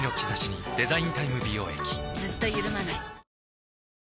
ずっとゆるまない。